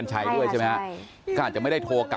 ลองฟังเสียงช่วงนี้ดูค่ะ